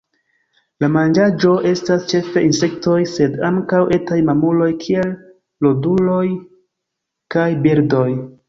La manĝaĵo estas ĉefe insektoj, sed ankaŭ etaj mamuloj, kiel roduloj kaj birdoj.